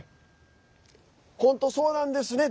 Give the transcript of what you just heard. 本当そうなんですね。